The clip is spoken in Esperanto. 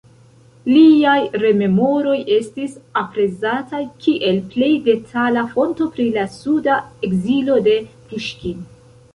Liaj rememoroj estis aprezataj kiel plej detala fonto pri la suda ekzilo de Puŝkin.